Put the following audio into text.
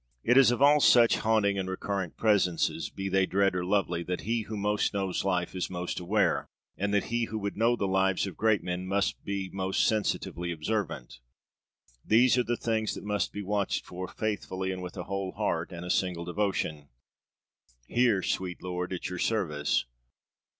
It is of all such haunting and recurrent presences, be they dread or lovely, that he who most knows life is most aware, and that he who would know the lives of great men must be most sensitively observant. These are the things that must be watched for faithfully and with a whole heart and a single devotion: 'Here, sweet lord, at your service!'